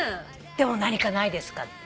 でも何かないですか。